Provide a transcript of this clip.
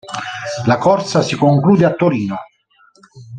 La corsa si conclude a Torino.